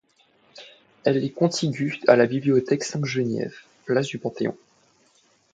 Elle est contiguë à la Bibliothèque Sainte-Geneviève, place du Panthéon.